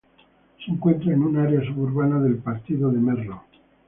Se encuentra en un área suburbana del partido de Merlo.